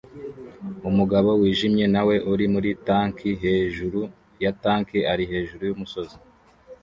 Umugabo wijimye nawe uri tanki hejuru ya tank ari hejuru yumusozi